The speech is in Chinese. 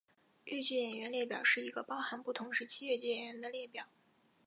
越剧演员列表是一个包含不同时期越剧演员的列表。